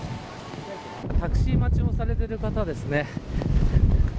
タクシー待ちをされている方ですね。